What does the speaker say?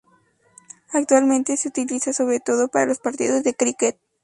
Actualmente se utiliza sobre todo para los partidos de críquet.